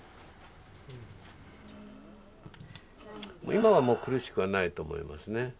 今はもう苦しくはないと思いますねはい。